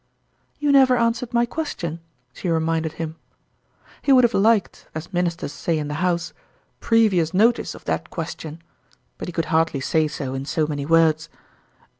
"You never answered my question," she reminded him. He would have liked, as Ministers say in the House, " previous notice of that question ;" but he could hardly say so in so many words.